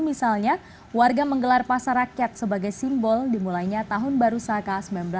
misalnya warga menggelar pasar rakyat sebagai simbol dimulainya tahun baru saka seribu sembilan ratus empat puluh